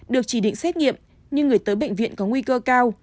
được chỉ định xét nghiệm nhưng người tới bệnh viện có nguy cơ cao